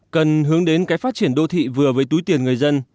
cần hướng đến cái phát triển đô thị vừa với túi tiền người dân